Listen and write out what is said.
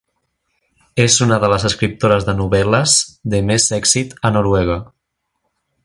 És una de les escriptores de novel·les de més èxit a Noruega.